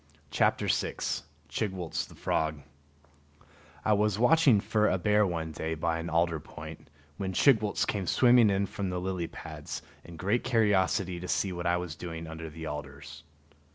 [Illustration: Chigwooltz] I was watching for a bear one day by an alder point, when Chigwooltz came swimming in from the lily pads in great curiosity to see what I was doing under the alders.